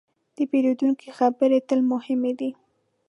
د پیرودونکي خبرې تل مهمې دي.